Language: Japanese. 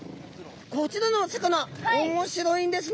こちらのお魚面白いんですね。